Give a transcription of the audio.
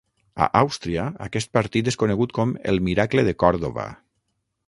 A Àustria, aquest partit és conegut com el Miracle de Còrdova.